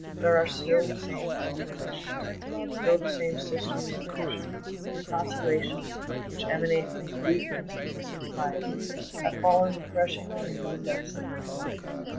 There are still the same tender relations, still the same sisterly affection; your consolations, which emanate from a deep and submissive piety, have fallen refreshingly into the depths of my heart.